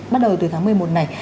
bắt đầu từ tháng một mươi một này